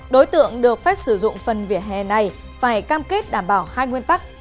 đối tượng được phép sử dụng phần vỉa hè này phải cam kết đảm bảo hai nguyên tắc